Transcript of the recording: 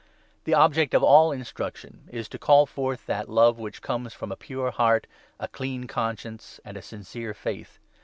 The object of all instruction is to call forth that love 5 which comes from a pure heart, a clear conscience, and a sincere faith.